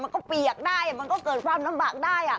เปียกได้มันก็เกิดความลำบากได้